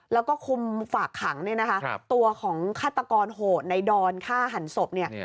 แล้วก็คุมฝากขังตัวของฆาตกรโหดในดอนฆ่าหันศพ